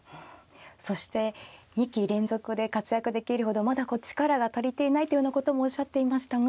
そして２期連続で活躍できるほどまだこう力が足りていないというようなこともおっしゃっていましたが。